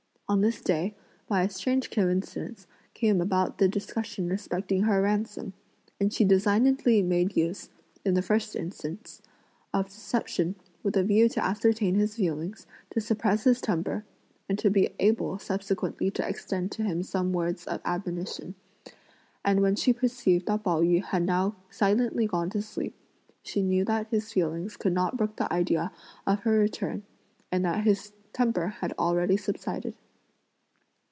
On this day, by a strange coincidence, came about the discussion respecting her ransom, and she designedly made use, in the first instance, of deception with a view to ascertain his feelings, to suppress his temper, and to be able subsequently to extend to him some words of admonition; and when she perceived that Pao yü had now silently gone to sleep, she knew that his feelings could not brook the idea of her return and that his temper had already subsided.